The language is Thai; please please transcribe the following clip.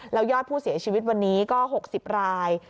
แล้วยอดผู้เสียชีวิตวันนี้ก็๖๐ราย